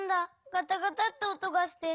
ガタガタっておとがして。